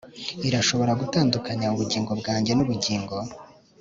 Irashobora gutandukanya ubugingo bwanjye nubugingo